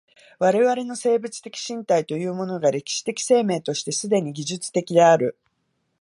我々の生物的身体というものが歴史的生命として既に技術的である。